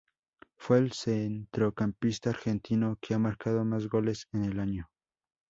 Fue el centrocampista argentino que ha marcado más goles en el año.